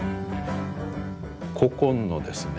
古今のですね